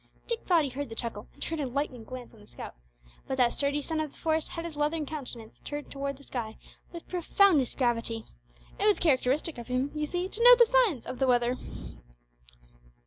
Dick thought he heard the chuckle and turned a lightning glance on the scout, but that sturdy son of the forest had his leathern countenance turned towards the sky with profoundest gravity. It was characteristic of him, you see, to note the signs of the weather.